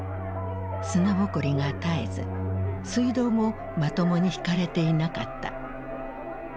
砂ぼこりが絶えず水道もまともに引かれていなかった。